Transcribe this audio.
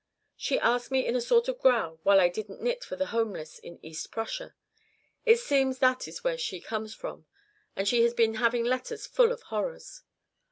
She asked me in a sort of growl why I didn't knit for the homeless in East Prussia it seems that is where she comes from and she has been having letters full of horrors.